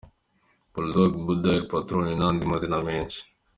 Bull Dogg, Budha, El Patrone n'andi mazina menshi.